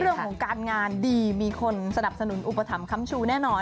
เรื่องของการงานดีมีคนสนับสนุนอุปถัมภัมชูแน่นอน